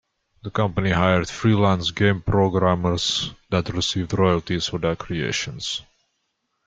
The company hired freelance game programmers that received royalties for their creations.